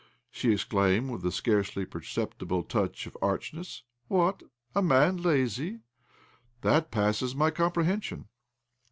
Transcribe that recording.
she exclaimed with a scarcely pefceptible touch of ardhiness. ' What? A man be lazy? That passes my comprehen sion."